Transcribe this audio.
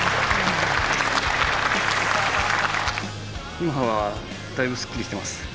今はだいぶすっきりしてます。